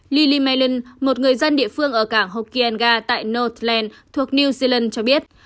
lily malin một người dân địa phương ở cảng hokkien ga tại northland thuộc new zealand cho biết